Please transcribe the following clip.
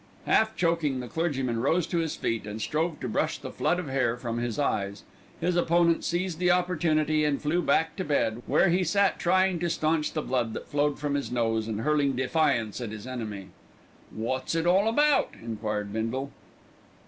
Half choking, the clergyman rose to his feet, and strove to brush the flood of hair from his eyes. His opponent seized the opportunity and flew back to bed, where he sat trying to staunch the blood that flowed from his nose and hurling defiance at his enemy. "Wot's it all about?" enquired Bindle.